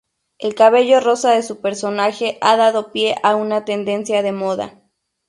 El cabello rosa de su personaje ha dado pie a una tendencia de moda.